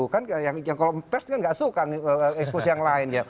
kan yang kalau pers kan nggak suka expose yang lain